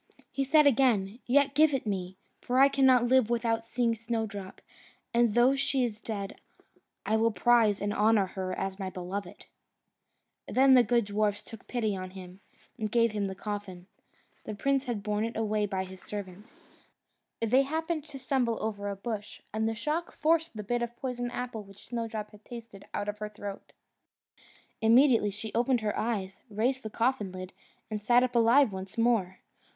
He said again, "Yet give it me; for I cannot live without seeing Snowdrop, and though she is dead, I will prize and honour her as my beloved." Then the good dwarfs took pity on him, and gave him the coffin. The prince had it borne away by his servants. They happened to stumble over a bush, and the shock forced the bit of poisoned apple which Snowdrop had tasted out of her throat. Immediately she opened her eyes, raised the coffin lid, and sat up alive once more.